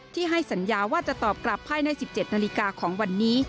ให้สัญญาว่าจะตอบกลับภายใน๑๗นาฬิกาของวันนี้